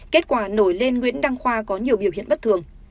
kết quả nổi lên nguyễn đăng khoa có nhiều biểu hiện bất thường